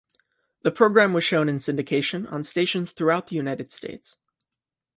The program was shown in syndication on stations throughout the United States.